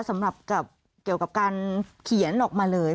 สำหรับเกี่ยวกับการเขียนออกมาเลย